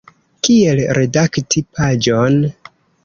Kiel redakti paĝon.